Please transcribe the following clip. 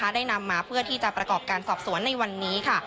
ได้นำมาเพื่อที่จะประกอบการสอบสวนในวันนี้ค่ะ